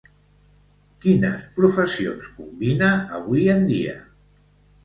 Quines professions combina avui en dia?